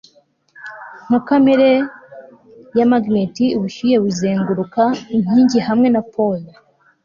nka kamere ya magnet-ubushyuhe buzenguruka inkingi hamwe na pole